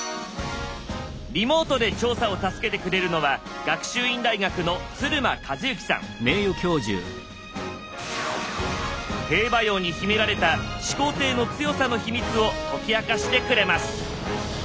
リモートで調査を助けてくれるのは兵馬俑に秘められた始皇帝の強さのヒミツを解き明かしてくれます！